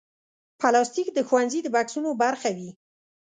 پلاستيک د ښوونځي د بکسونو برخه وي.